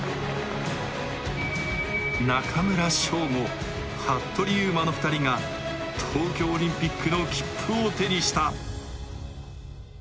中村匠吾、服部勇馬の２人が東京オリンピックの切符を手にした。